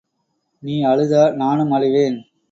நீ அழுதா, நானும் அழுவேன்.